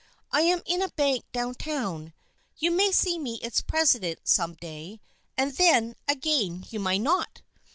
I am in a bank down town. You may see me its presi dent some day — and then again you may not